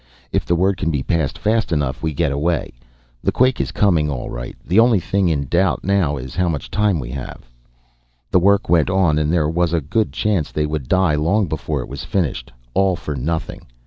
If the word can be passed fast enough, we get away. The quake is coming all right, the only thing in doubt is how much time we have." The work went on and there was a good chance they would die long before it was finished. All for nothing.